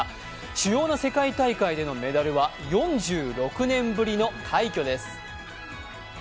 主要な世界大会でのメダルは４６年ぶりの快挙です。